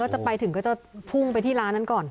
จะไปถึงก็จะพุ่งไปที่ร้านนั้นก่อน